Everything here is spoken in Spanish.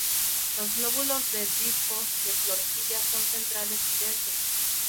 Los lóbulos des disco de florecillas son centrales y densos.